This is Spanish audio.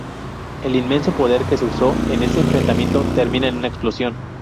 El inmenso poder que se usó en ese enfrentamiento termina en una explosión.